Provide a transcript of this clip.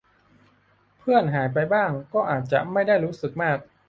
เพื่อนหายไปบ้างก็อาจจะไม่ได้รู้สึกมาก